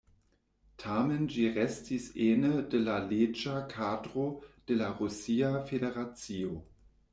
Tamen ĝi restis ene de la leĝa kadro de la Rusia Federacio.